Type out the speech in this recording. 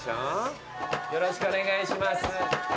よろしくお願いします。